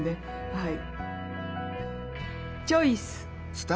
はい。